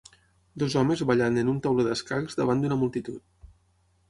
dos homes ballant en un tauler d'escacs davant d'una multitud